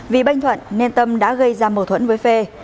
vì banh thuận nên tâm đã gây ra mâu thuẫn với phê